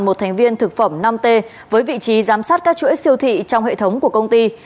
một thành viên thực phẩm năm t với vị trí giám sát các chuỗi siêu thị trong hệ thống của công ty